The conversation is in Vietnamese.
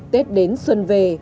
tết đến xuân về